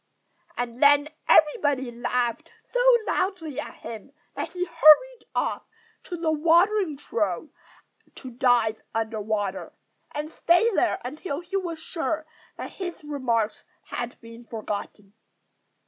And then everybody laughed so loudly at him that he hurried off to the watering trough to dive under water, and stay there until he was sure that his remarks had been forgotten.